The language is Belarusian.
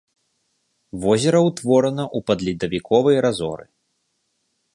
Возера ўтворана ў падледавіковай разоры.